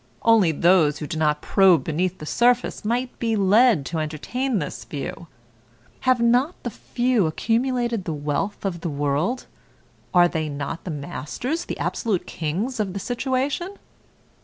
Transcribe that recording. Only those who do not probe beneath the surface might be led to entertain this view. Have not the few accumulated the wealth of the world? Are they not the masters, the absolute kings of the situation?